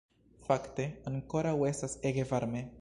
Fakte, ankoraŭ estas ege varme